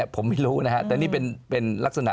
ผมไม่รู้นะฮะแต่นี่เป็นลักษณะ